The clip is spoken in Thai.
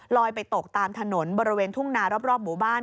ไปตกตามถนนบริเวณทุ่งนารอบหมู่บ้าน